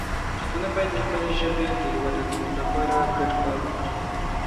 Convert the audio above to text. پښتانه باید د خپلې ژبې د وده لپاره ګډ کار وکړي.